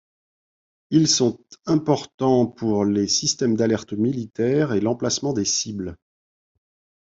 Ils sont importants pour les systèmes d'alerte militaires et l'emplacement des cibles.